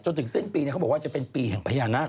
จนถึงซึ่งปีเนี้ยเขาบอกว่าจะเป็นปีของพยานาค